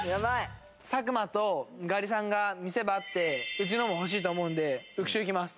作間とガリさんが見せ場あってうちのも欲しいと思うので浮所いきます。